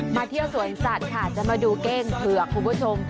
เที่ยวสวนสัตว์ค่ะจะมาดูเก้งเผือกคุณผู้ชม